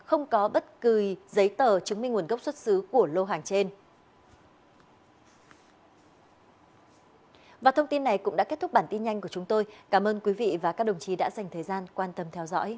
không có bất cứ giấy tờ chứng minh nguồn gốc xuất xứ của lô hoàng trên